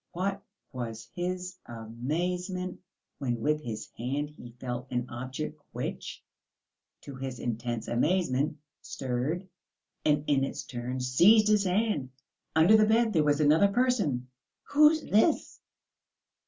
What was his amazement when with his hand he felt an object which, to his intense amazement, stirred and in its turn seized his hand! Under the bed there was another person! "Who's this?"